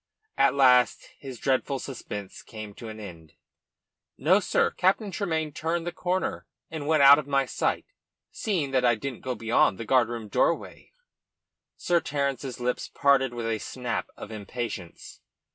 At last his dreadful suspense came to an end. "No, sir. Captain Tremayne turned the corner, and was out of my sight, seeing that I didn't go beyond the guardroom doorway." Sir Terence's lips parted with a snap of impatience.